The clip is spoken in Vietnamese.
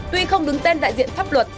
tuy không đứng tên đại diện pháp luật